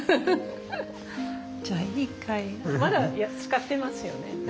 じゃあ一回まだ使ってますよね？